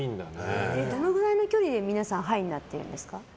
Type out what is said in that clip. どのぐらいの距離で皆さんハイになってるんですか？